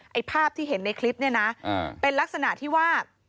ไอ้ภาพที่เห็นในคลิปเนี่ยนะเป็นลักษณะที่ว่า